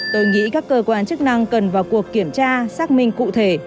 tôi nghĩ các cơ quan chức năng cần vào cuộc kiểm tra xác minh cụ thể